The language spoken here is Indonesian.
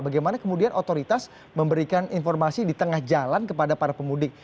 bagaimana kemudian otoritas memberikan informasi di tengah jalan kepada para pemudik